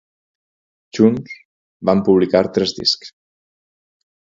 Junts, van publicar tres discs.